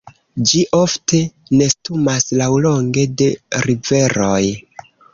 Ĝi ofte nestumas laŭlonge de riveroj.